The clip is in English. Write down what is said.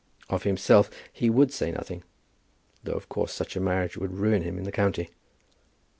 "Of himself he would say nothing, though of course such a marriage would ruin him in the county."